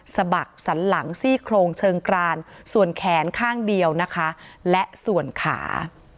สะบักสันหลังซี่โครงเชิงกรานส่วนแขนข้างเดียวนะคะและส่วนขา